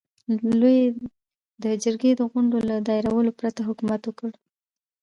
لويي د جرګې د غونډو له دایرولو پرته حکومت وکړ.